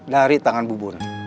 dari tangan bubun